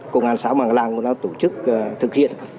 công an xã mạng lăng cũng đã tổ chức